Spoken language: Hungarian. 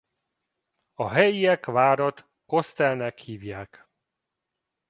A helyiek várat Kostelnek hívják.